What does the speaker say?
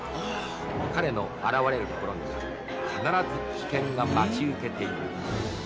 彼の現れる所には必ず危険が待ち受けている。